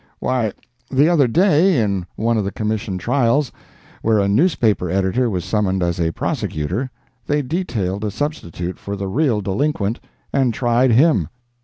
Why, the other day, in one of the commission trials, where a newspaper editor was summoned as a prosecutor, they detailed a substitute for the real delinquent, and tried him!